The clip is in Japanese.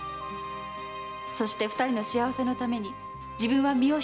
そして二人の幸せのために自分は身をひくべきだと。